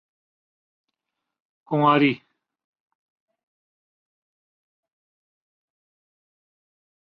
Khanauri